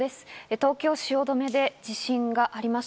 東京・汐留で地震がありました。